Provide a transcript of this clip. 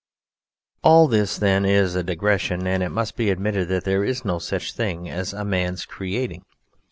All this, then, is a digression, and it must be admitted that there is no such thing as a man's "creating".